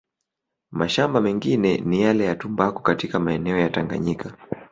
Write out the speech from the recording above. Mashamaba mengine ni yale ya Tumbaku katika maeneo ya Tanganyika